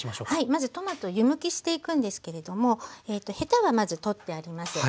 まずトマト湯むきしていくんですけれどもヘタはまず取ってあります。